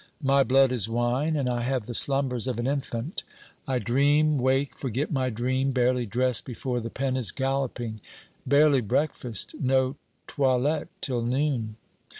My blood is wine, and I have the slumbers of an infant. I dream, wake, forget my dream, barely dress before the pen is galloping; barely breakfast; no toilette till noon.